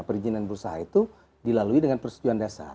perizinan berusaha itu dilalui dengan persetujuan dasar